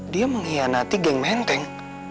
dia mengkhianati geng menteng